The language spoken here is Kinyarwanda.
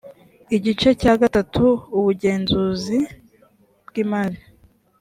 igice cya gatatu ubugenzuzi bw imari